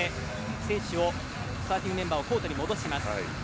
選手をスターティングメンバーをコートに戻します。